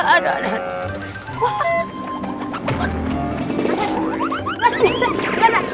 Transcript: aduh aduh aduh aduh